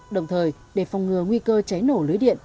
đồng thời để phòng ngừa nguy cơ cháy nổ lưới điện